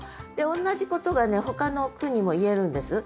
同じことがほかの句にも言えるんです。